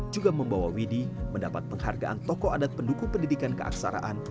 juga membawa widhi mendapat penghargaan tokoh adat pendukung pendidikan keaksaraan